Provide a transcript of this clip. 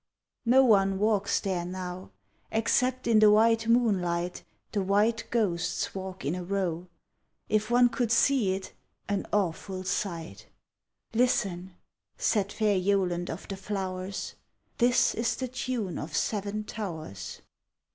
_ No one walks there now; Except in the white moonlight The white ghosts walk in a row; If one could see it, an awful sight, _Listen! said fair Yoland of the flowers, This is the tune of Seven Towers.